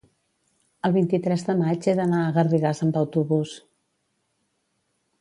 el vint-i-tres de maig he d'anar a Garrigàs amb autobús.